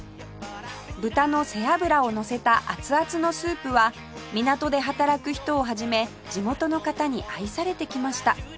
豚の背脂をのせた熱々のスープは港で働く人を始め地元の方に愛されてきました